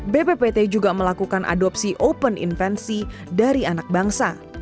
bppt juga melakukan adopsi open invensi dari anak bangsa